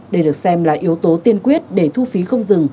đây được xem là yếu tố tiên quyết để thu phí không dừng